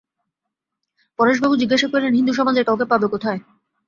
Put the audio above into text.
পরেশবাবু জিজ্ঞাসা করিলেন, হিন্দুসমাজের কাউকে পাবে কোথায়?